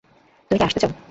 তুমি কি আসতে চাও?